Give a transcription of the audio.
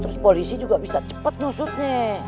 terus polisi juga bisa cepat nusutnya